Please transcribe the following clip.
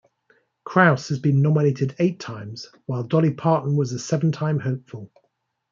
Krauss has been nominated eight times, while Dolly Parton was a seven-time hopeful.